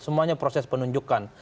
semuanya proses penunjukan